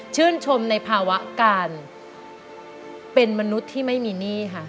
ชื่นชมในภาวะการเป็นมนุษย์ที่ไม่มีหนี้ค่ะ